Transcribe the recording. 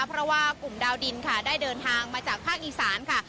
เพราะว่ากลุ่มดาวดินค่ะได้เดินทางมาจากภาคอีสานค่ะ